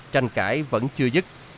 tranh cãi vẫn chưa dứt